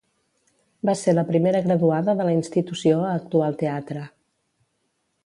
Va ser la primera graduada de la institució a actuar al teatre.